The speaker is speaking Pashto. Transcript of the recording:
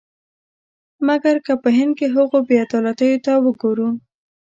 مګر که په هند کې هغو بې عدالتیو ته وګورو.